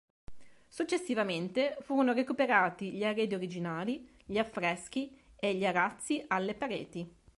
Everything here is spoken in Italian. Successivamente furono recuperati gli arredi originali, gli affreschi e gli arazzi alle pareti.